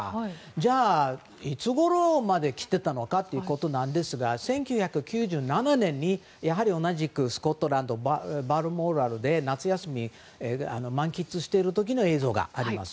じゃあ、いつごろまで着てたのかなんですが１９９７年にやはり同じくスコットランドのバルモラルで夏休みを満喫している時の映像があります。